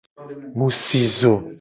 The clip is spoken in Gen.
Mu si zo.